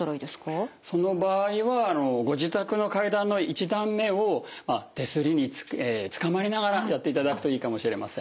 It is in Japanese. その場合はご自宅の階段の１段目を手すりにつかまりながらやっていただくといいかもしれません。